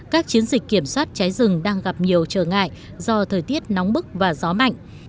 các chiến dịch kiểm soát cháy rừng đang gặp nhiều trở ngại do thời tiết nóng bức và gió mạnh